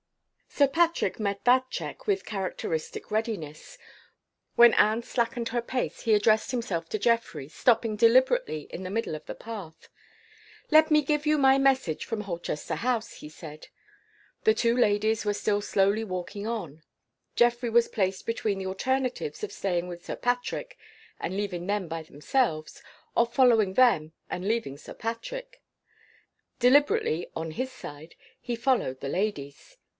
Sir Patrick met that check with characteristic readiness. When Anne slackened her pace, he addressed himself to Geoffrey, stopping deliberately in the middle of the path. "Let me give you my message from Holchester House," he said. The two ladies were still slowly walking on. Geoffrey was placed between the alternatives of staying with Sir Patrick and leaving them by themselves or of following them and leaving Sir Patrick. Deliberately, on his side, he followed the ladies.